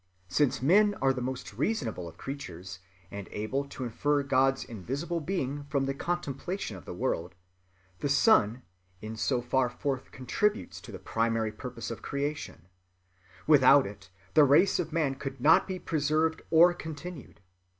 Since men are the most reasonable of creatures, and able to infer God's invisible being from the contemplation of the world, the sun in so far forth contributes to the primary purpose of creation: without it the race of man could not be preserved or continued....